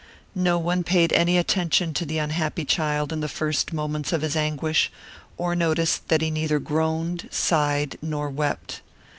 No one paid any attention to the unhappy child in the first moments of his anguish, or noticed that he neither groaned, sighed, nor wept.